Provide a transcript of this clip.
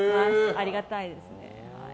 ありがたいですね。